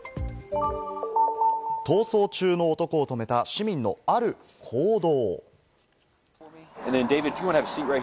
逃走中の男を止めた市民のある行動。